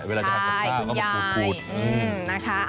เวลาจะทำกับข้าวเขาก็มาขูด